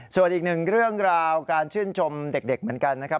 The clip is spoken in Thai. ส่วนอีกหนึ่งเรื่องราวการชื่นชมเด็กเหมือนกันนะครับ